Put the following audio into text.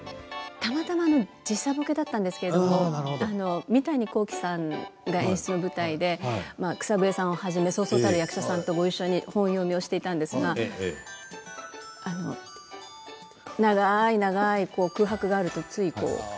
たまたま時差ボケだったんですけれど三谷幸喜さんが演出の舞台で草笛さんをはじめそうそうたる役者さんと一緒に本読みをしていたんですが長い長い空白があるとつい。